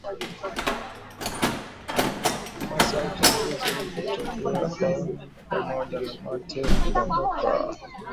Kamasi au uchafu kutokea puani pamoja na mate kudondoka